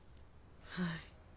はい。